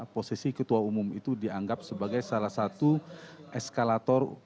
posisi ketua umum itu dianggap sebagai salah satu eskalator